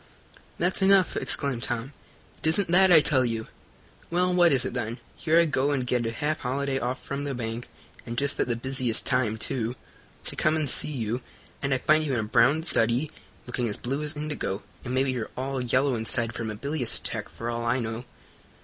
"That's enough!" exclaimed Tom. "It isn't that, I tell you." "Well, what is it then? Here I go and get a half holiday off from the bank, and just at the busiest time, too, to come and see you, and I find you in a brown study, looking as blue as indigo, and maybe you're all yellow inside from a bilious attack, for all I know."